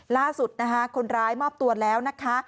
ล่าสุดนะคะคนร้ายมอบตัวแล้วนะคะ